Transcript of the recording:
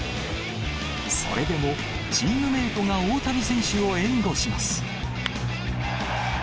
それでもチームメートが大谷選手を援護します。